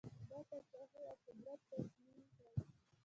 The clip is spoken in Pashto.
دا پاچهي او قدرت تضمین کړي.